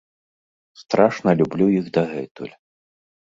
Страшна люблю іх дагэтуль.